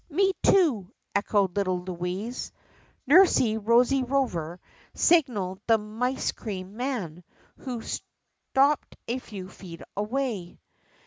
"Me too!" echoed little Louise. Nursie Rosie Rover signaled the mice cream man, who stopped a few feet away.